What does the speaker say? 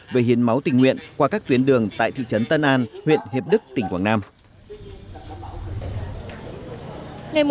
về hiến máu tình nguyện qua các tuyến đường tại thị trấn tân an huyện hiệp đức tỉnh quảng nam